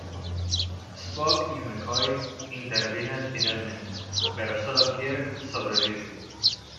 Spock y McCoy intervienen finalmente, pero sólo Kirk sobrevive.